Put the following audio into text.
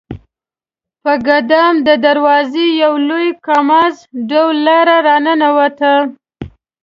په ګدام د دروازه یو لوی کاماز ډوله لارۍ راننوته.